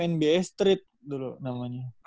terus gue beli game nba street dulu namanya